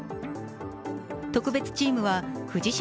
特別チームは藤島